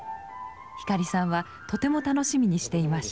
光さんはとても楽しみにしていました。